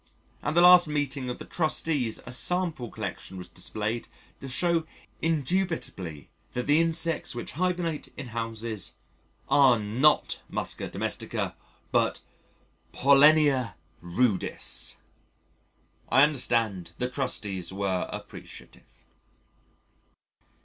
At the last meeting of the Trustees a sample collection was displayed to show indubitably that the insects which hibernate in houses are not Musca domestica but Pollenia rudis. I understand the Trustees were appreciative.